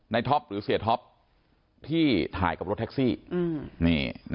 ท็อปหรือเสียท็อปที่ถ่ายกับรถแท็กซี่